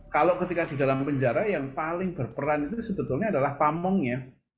kalau ketika di dalam penjara yang paling berperan itu sebetulnya adalah pamongnya